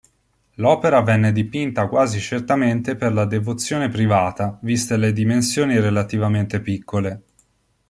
L'opera venne dipinta quasi certamente per la devozione privata, viste le dimensioni relativamente piccole.